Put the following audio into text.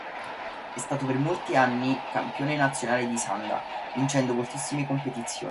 È stato per molti anni campione nazionale di Sanda, vincendo moltissime competizioni.